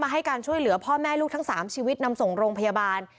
ให้การช่วยเหลือพ่อแม่ลูกทั้ง๓ชีวิตนำส่งโรงพยาบาล